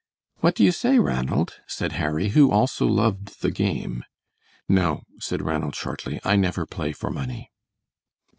"What do you say, Ranald," said Harry, who also loved the game. "No," said Ranald, shortly, "I never play for money."